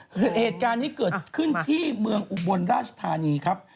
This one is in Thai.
คือเหตุการณ์นี้เกิดขึ้นที่เมืองอุบลราชธานีครับ